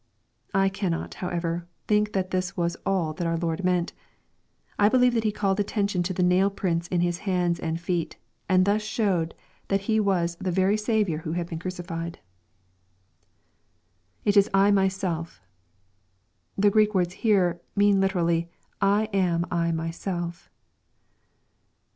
I cannot, however, think that this was all that our Lord meant. I believe that he called attention to the nail prints in His hands and feet, and thus showed that he was that very Saviour who had been crucified. [It is I myself.] The Q reek words here mean literally, "I am I myself."